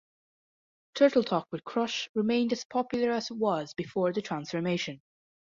Turtle Talk with Crush remained as popular as it was before the transformation.